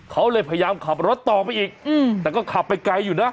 เขาเลยพยายามขับรถต่อไปอีกแต่ก็ขับไปไกลอยู่นะ